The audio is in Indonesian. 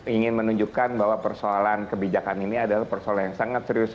ingin menunjukkan bahwa persoalan kebijakan ini adalah persoalan yang sangat serius